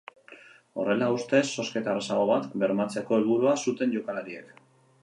Horrela, ustez zozketa errazago bat bermatzeko helburua zuten jokalariek.